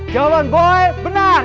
jawaban boy benar